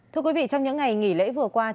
trong những ngày nghỉ lễ vừa qua